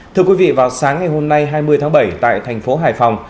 thưa quý vị vào sáng ngày hôm nay hai mươi tháng bảy tại thành phố hải phòng